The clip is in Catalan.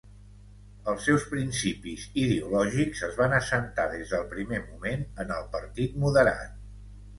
Els seus principis ideològics es van assentar, des del primer moment en el Partit Moderat.